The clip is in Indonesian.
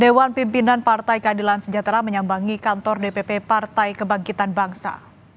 dewan pimpinan partai keadilan sejahtera menyambangi kantor dpp partai kebangkitan bangsa